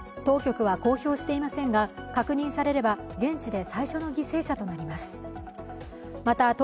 当局は公表していませんが確認されれば現地で最初の犠牲者となります。